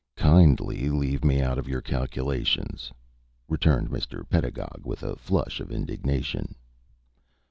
"Kindly leave me out of your calculations," returned Mr. Pedagog, with a flush of indignation.